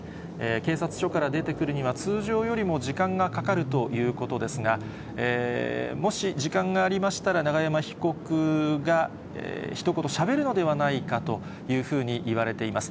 警察署から出てくるには、通常よりも時間がかかるということですが、もし時間がありましたら、永山被告がひと言しゃべるのではないかというふうにいわれています。